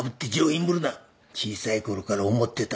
小さい頃から思ってた